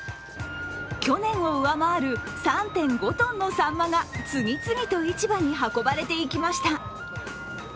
去年を上回る３．５ｔのさんまが次々と市場に運ばれていきました。